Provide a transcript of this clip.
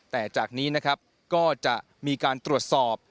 แต่จากนี้นะครับก็จะมีการตรวจสอบ